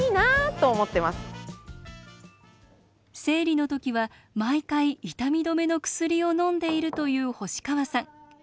生理の時は毎回痛み止めの薬をのんでいるという星川さん。